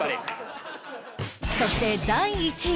そして第１位